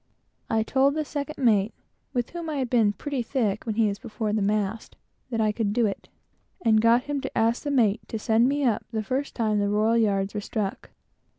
I told the second mate, with whom I had been pretty thick when he was before the mast, that I would do it, and got him to ask the mate to send me up the first time they were struck.